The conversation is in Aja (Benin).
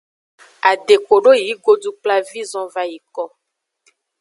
Ade kodo yi godukplavi zonvayiko.